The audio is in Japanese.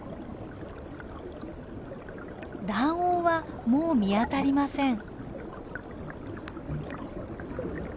卵黄はもう見当たりません。